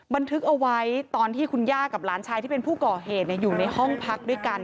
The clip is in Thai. บันทึกเอาไว้ตอนที่คุณย่ากับหลานชายที่เป็นผู้ก่อเหตุอยู่ในห้องพักด้วยกัน